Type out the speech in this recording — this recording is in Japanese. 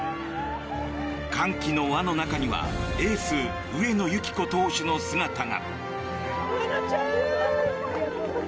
歓喜の輪の中にはエース、上野由岐子投手の姿が。